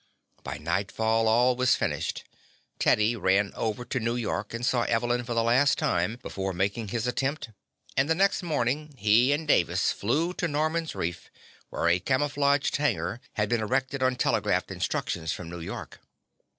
By nightfall all was finished. Teddy ran over to New York and saw Evelyn for the last time before making his attempt, and the next morning he and Davis flew to Noman's Reef, where a camouflaged hangar had been erected on telegraphed instructions from New York.